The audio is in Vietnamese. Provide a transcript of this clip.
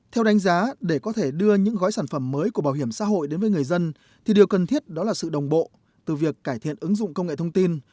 theo đánh giá để có thể đưa những gói sản phẩm mới của bảo hiểm xã hội đến với người dân thì điều cần thiết đó là sự đồng bộ từ việc cải thiện ứng dụng công nghệ thông tin